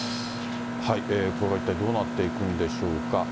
これから一体どうなっていくんでしょうか。